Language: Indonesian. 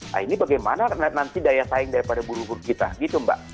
nah ini bagaimana nanti daya saing daripada guru guru kita gitu mbak